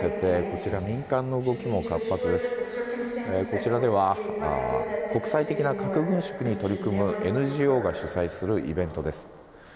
こちらでは国際的な核軍縮に取り組む、ＮＧＯが主催するイベントです。